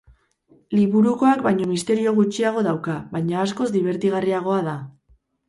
Liburukoak baino misterio gutxiago dauka, baina askoz dibertigarriagoa da.